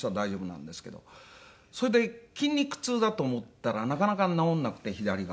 それで筋肉痛だと思ったらなかなか治らなくて左が。